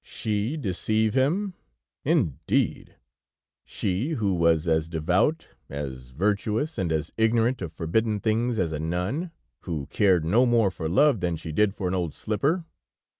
She deceive him, indeed; she, who was as devout, as virtuous, and as ignorant of forbidden things as a nun, who cared no more for love than she did for an old slipper!